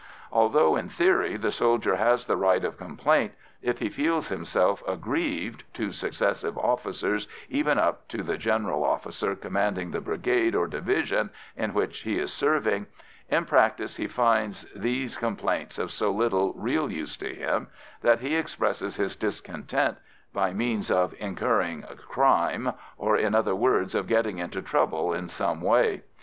Although in theory the soldier has the right of complaint, if he feels himself aggrieved, to successive officers, even up to the general officer commanding the brigade or division in which he is serving, in practice he finds these complaints of so little real use to him that he expresses his discontent by means of incurring "crime," or, in other words, by getting into trouble in some way.